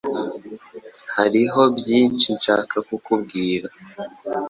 Hariho byinshi nshaka kukubwira.